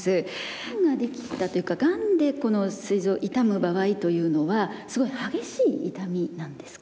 がんができたというかがんでこのすい臓痛む場合というのはすごい激しい痛みなんですか？